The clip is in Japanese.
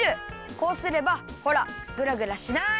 こうすればほらグラグラしない！